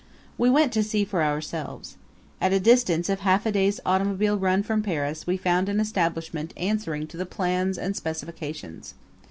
We went to see for ourselves. At a distance of half a day's automobile run from Paris we found an establishment answering to the plans and specifications.